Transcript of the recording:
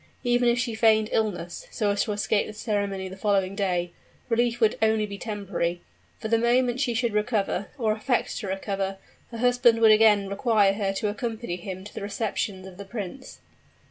Even if she feigned illness, so as to escape the ceremony of the following day, relief would only be temporary, for the moment she should recover, or affect to recover, her husband would again require her to accompany him to the receptions of the prince.